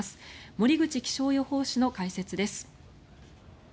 森口気象予報士の解説です。